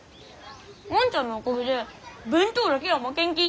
万ちゃんのおかげで弁当だけは負けんき。